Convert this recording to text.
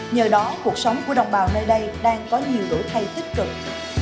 nhờ đó cuộc sống của đồng bào nơi đây đang có nhiều đổi thay tích cực